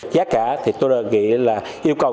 giá cả thì tôi nghĩ là yêu cầu